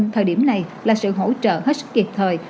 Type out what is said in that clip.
thời điểm này là sự hỗ trợ hết sức kịp thời